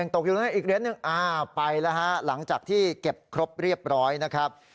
ตกอยู่อีกเหรียญหนึ่งไปแล้วฮะหลังจากที่เก็บครบเรียบร้อยนะครับ